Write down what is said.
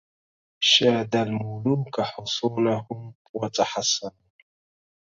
شاد الملوك حصونهم وتحصنوا